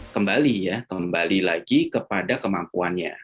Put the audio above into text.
kembali ya kembali lagi kepada kemampuannya